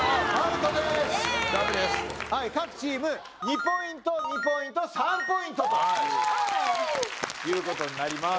各チーム２ポイント２ポイント３ポイントという事になります。